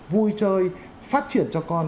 vui chơi phát triển cho con